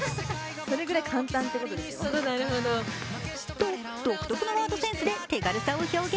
と、独特のワードセンスで手軽さを表現。